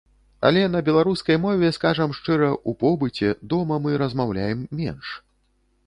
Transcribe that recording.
Але на беларускай мове, скажам шчыра, у побыце, дома мы размаўляем менш.